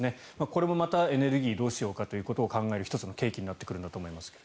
これもまたエネルギーどうしようかということを考える１つの契機になってくるんだと思います。